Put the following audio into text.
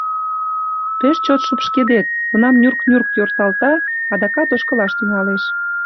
Пеш чот шупшкедет, тунам нюрк-нюрк йорталта, адакат ошкылаш тӱҥалеш.